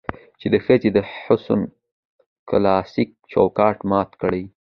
چې د ښځې د حسن کلاسيک چوکاټ مات کړي